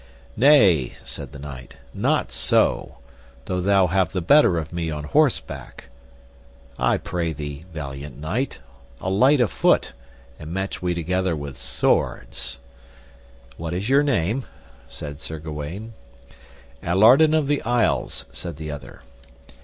Nay, said the knight, not so, though thou have the better of me on horseback. I pray thee, valiant knight, alight afoot, and match we together with swords. What is your name? said Sir Gawaine. Allardin of the Isles, said the other.